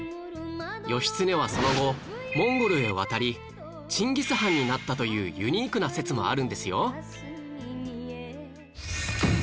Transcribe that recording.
義経はその後モンゴルへ渡りチンギス・ハンになったというユニークな説もあるんですよ